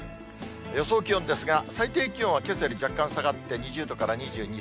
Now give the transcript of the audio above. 予想気温ですが、最低気温はけさより若干下がって２０度から２２、３度。